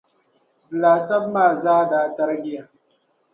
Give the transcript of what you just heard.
N laasabu maa zaa da tarigiya.